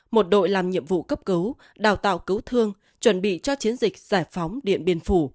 một đội làm nhiệm vụ cấp cứu đào tạo cứu thương chuẩn bị cho chiến dịch giải phóng điện biên phủ